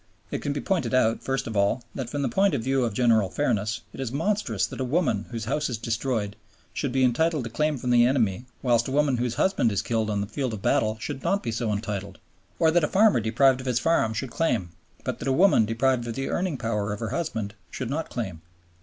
It can be pointed out, first of all, that from the point of view of general fairness it is monstrous that a woman whose house is destroyed should be entitled to claim from the enemy whilst a woman whose husband is killed on the field of battle should not be so entitled; or that a farmer deprived of his farm should claim but that a woman deprived of the earning power of her husband should not claim.